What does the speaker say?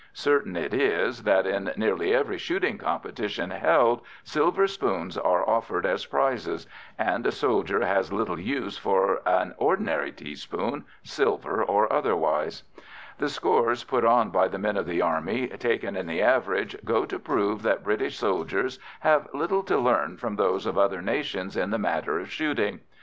Certain it is that in nearly every shooting competition held, silver spoons are offered as prizes and a soldier has little use for an ordinary teaspoon, silver or otherwise. The scores put on by men of the Army, taken in the average, go to prove that British soldiers have little to learn from those of other nations in the matter of shooting.